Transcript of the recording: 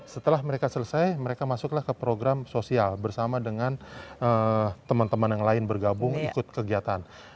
setelah mereka selesai mereka masuklah ke program sosial bersama dengan teman teman yang lain bergabung ikut kegiatan